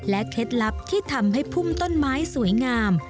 เคล็ดลับที่ทำให้พุ่มต้นไม้สวยงาม